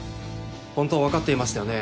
本当は分かっていましたよね？